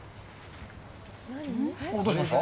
どうしました？